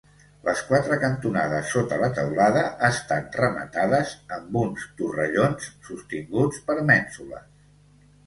Les quatre cantonades sota la teulada estan rematades amb uns torrellons sostinguts per mènsules.